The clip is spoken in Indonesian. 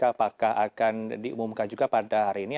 apakah akan diumumkan juga pada hari ini